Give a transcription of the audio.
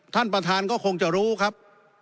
ท่านประธานก็คงจะรู้ครับ